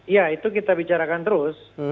ya itu kita bicarakan terus